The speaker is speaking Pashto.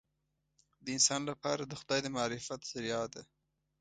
د انسان لپاره د خدای د معرفت ذریعه ده.